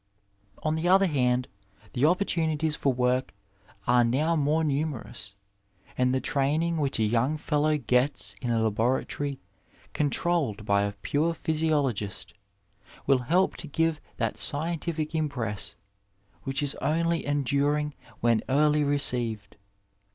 On the other hand, the opp<» tunitiee for work are now more numerous, and the ixain ing which a yonng fellow gets in a laboratory controlled by a pure physiologist will hdp to give that scientific impress, which is only enduring when early received.